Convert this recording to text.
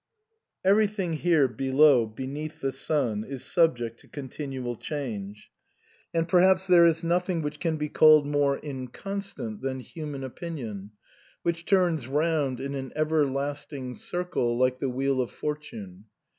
Everything here below beneath the sun is subject to continual change ; and perhaps there is nothing which can be called more inconstant than human opinion, which turns round in an everlasting circle like the wheel of fortune.